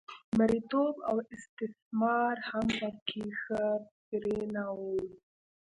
مریتوب او استثمار هم په کې ښه پرېنه و